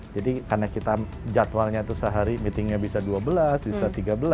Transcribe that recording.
jadi karena kita jadwalnya itu sehari meetingnya bisa dua belas bisa tiga belas